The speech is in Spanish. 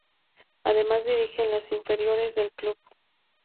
Además dirige en las inferiores del club.